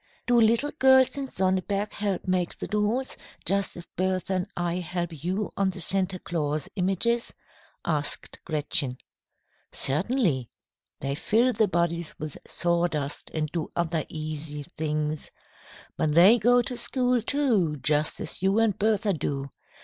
"Do little girls in Sonneberg help make the dolls, just as Bertha and I help you on the Santa Claus images?" asked Gretchen. "Certainly. They fill the bodies with sawdust, and do other easy things. But they go to school, too, just as you and Bertha do.